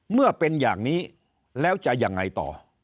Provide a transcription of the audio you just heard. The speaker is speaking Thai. เมื่อเป็นอย่างนี้แล้วจะยังไงต่อ